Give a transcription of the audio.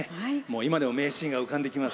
今でも名シーンが浮かんできます。